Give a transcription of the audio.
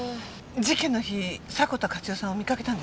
事件の日迫田勝代さんを見かけたんですか？